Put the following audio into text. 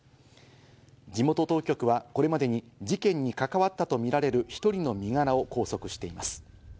地元当局はこれまでに事件に関わったとみられる１人の身柄を拘束しています。